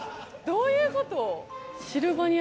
どういうこと？